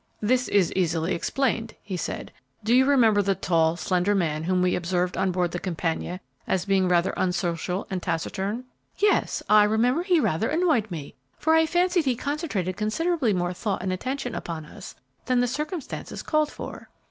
"This is easily explained," he said; "do you remember the tall, slender man whom we observed on board the 'Campania' as being rather unsocial and taciturn?" "Yes, I remember he rather annoyed me, for I fancied he concentrated considerably more thought and attention upon us than the circumstances called for."